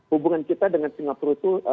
hubungan kita dengan singapura itu